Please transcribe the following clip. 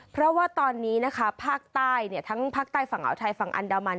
เพราะว่าตอนนี้นะคะภาคใต้ทั้งภาคใต้ฝั่งอ่าวไทยฝั่งอันดามัน